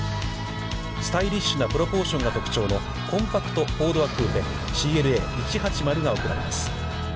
スタイリッシュなプロポーションが特徴のコンパクト４ドアクーペＣＬＡ１８０が贈られます。